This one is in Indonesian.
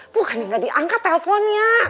bukannya gak diangkat telponnya